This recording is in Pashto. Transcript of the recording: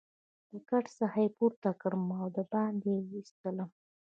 له کټ څخه يې پورته کړم او دباندې يې وایستلم.